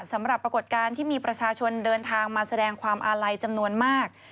ปรากฏการณ์ที่มีประชาชนเดินทางมาแสดงความอาลัยจำนวนมาก